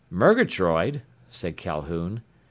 "Murgatroyd," said Calhoun.